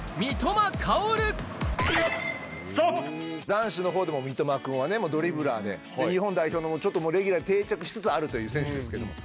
男子のほうでも三笘君はドリブラーで。のレギュラーに定着しつつあるという選手ですけども。